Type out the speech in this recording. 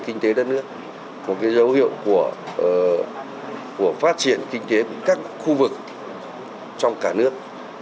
phát triển kinh tế đất nước một cái dấu hiệu của phát triển kinh tế các khu vực trong cả nước